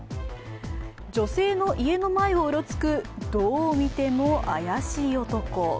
女性の家の前をうろつく、どう見ても怪しい男。